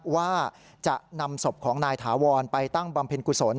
ว่าจะนำศพของนายถาวรไปตั้งบำเพ็ญกุศล